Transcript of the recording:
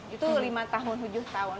itu lima tahun tujuh tahun